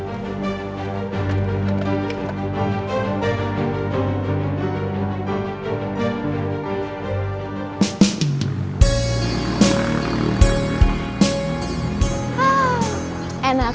mas aku mau minta duit